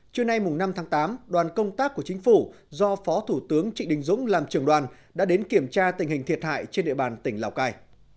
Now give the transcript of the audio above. trưa nay năm tháng tám đoàn công tác của chính phủ do phó thủ tướng trịnh đình dũng làm trường đoàn đã đến kiểm tra tình hình thiệt hại trên địa bàn tỉnh lào cai